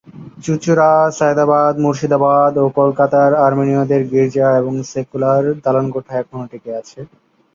চুঁচুড়া, সায়দাবাদ, মুর্শিদাবাদ ও কলকাতায় আর্মেনীয়দের গির্জা এবং সেক্যুলার দালানকোঠা এখনও টিকে আছে।